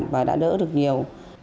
và đã đỡ được nhiều